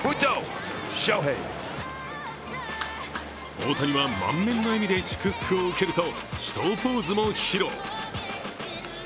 大谷は満面の笑みで祝福を受けると、手刀ポーズも披露。